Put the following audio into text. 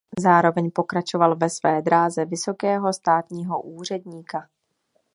Zároveň pokračoval ve své dráze vysokého státního úředníka.